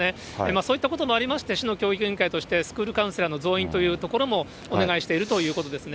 そういったこともありまして、市の教育委員会としてスクールカウンセラーの増員というところもお願いしているということですね。